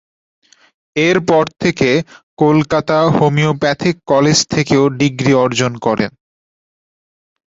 এর পর Kolkata homeopathic college থেকেও ডিগ্রী অর্জন করেন।